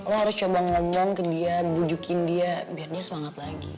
lo harus coba ngomong ke dia bujukin dia biar dia semangat lagi